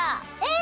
え！